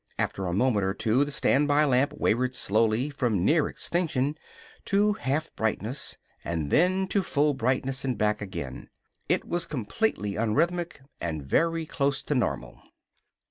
After a moment or two the standby lamp wavered slowly from near extinction to half brightness, and then to full brightness and back again. It was completely unrhythmic and very close to normal.